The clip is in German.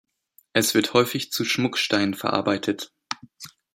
Es wird häufig zu Schmucksteinen verarbeitet.